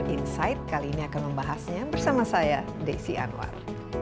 insight kali ini akan membahasnya bersama saya desi anwar